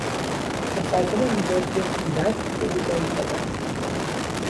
به خاطرنجات یک کودک به او جایزه دادند.